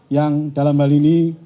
yang dalam hal ini